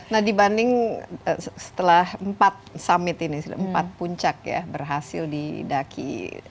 nah dibanding setelah empat summit ini empat puncak ya berhasil didaki